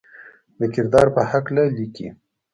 د کردار پۀ حقله ليکي: